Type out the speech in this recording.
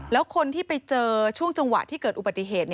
แล้วคนที่ไปเจอช่วงจังหวะที่เกิดอุบัติเหตุ